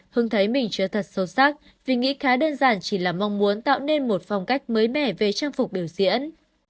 hưng thấy mình chưa thật sâu sắc vì nghĩ khá đơn giản chỉ là mong muốn tạo nên một phong cách mới mẻ về trang phục biểu diễn